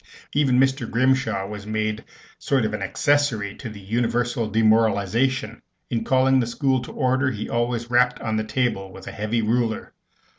Even Mr. Grimshaw was made a sort of accessory to the universal demoralization. In calling the school to order, he always rapped on the table with a heavy ruler.